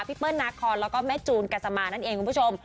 เปิ้ลนาคอนแล้วก็แม่จูนกัสมานั่นเองคุณผู้ชม